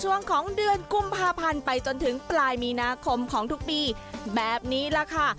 ช่วงของเดือนกุมภาพันธ์ไปจนถึงปลายมีนาคมของทุกปีแบบนี้แหละค่ะ